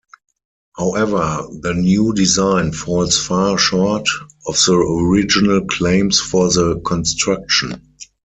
However, the new design falls far short of the original claims for the construction.